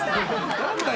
何だよ